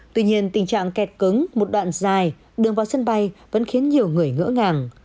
tuy nhiên tình trạng kẹt cứng một đoạn dài đường vào sân bay vẫn khiến nhiều người ngỡ ngàng